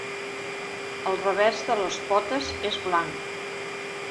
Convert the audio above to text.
El revers de les potes és blanc.